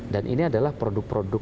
dan ini adalah produk produk